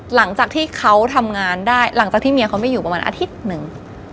หลังจากที่เขาทำงานได้หลังจากที่เมียเขาไม่อยู่ประมาณอาทิตย์หนึ่ง